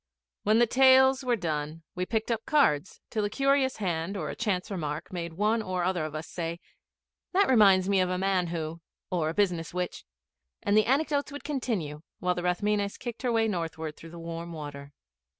When the tales were done we picked up cards till a curious hand or a chance remark made one or other of us say, 'That reminds me of a man who or a business which ' and the anecdotes would continue while the Rathmines kicked her way northward through the warm water.